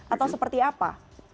atau seperti apa